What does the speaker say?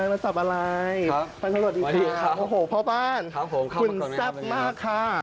พันธุ์สวัสดีค่ะพ่อบ้านคุณซับมากค่ะค่ะ